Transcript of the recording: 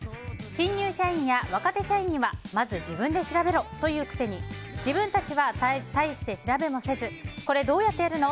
新入社員や若手社員にはまず自分で調べろと言うくせに自分たちは大して調べもせずこれどうやってやるの？